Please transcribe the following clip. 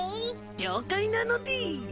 了解なのでぃす。